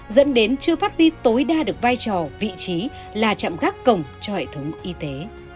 dẫn đến chưa phát huy tối đa được vai trò vị trí là trạm gác cổng cho hệ thống y tế